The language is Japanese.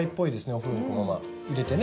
お風呂にこのまま入れてね。